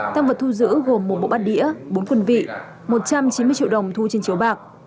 tăng vật thu giữ gồm một bộ bát đĩa bốn quân vị một trăm chín mươi triệu đồng thu trên chiếu bạc